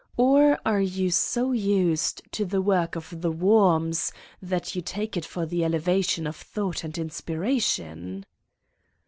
Or are you so used to the work of the worms that you take it for the elevation of thought and inspiration?